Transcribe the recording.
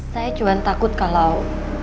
saya cuma takut kalau